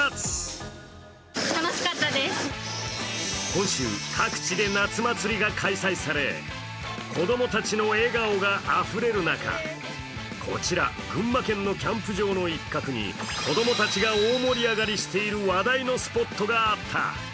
今週、各地で夏祭が開催され、子供たちの笑顔があふれる中、こちら、群馬県のキャンプ場の一角に子供たちが大盛り上がりしている話題のスポットがあった。